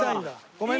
ごめんね。